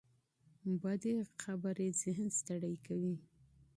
بدې خبرې ذهن ستړي کوي